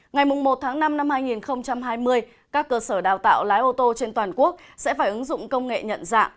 ngày một tháng năm năm hai nghìn hai mươi các cơ sở đào tạo lái ô tô trên toàn quốc sẽ phải ứng dụng công nghệ nhận dạng